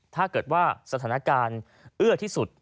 ถ้าเกิดว่าสถานการณ์เอื้อที่สุด